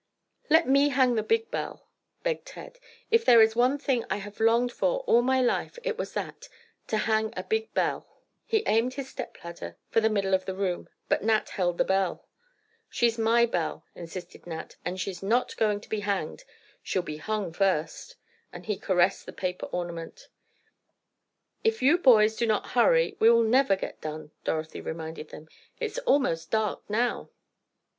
"Let me hang the big bell," begged Ted, "if there is one thing I have longed for all my life it was that—to hang a big 'belle'." He aimed his stepladder for the middle of the room, but Nat held the bell. "She's my belle," insisted Nat, "and she's not going to be hanged—she'll be hung first," and he caressed the paper ornament. "If you boys do not hurry we will never get done," Dorothy reminded them. "It's almost dark now."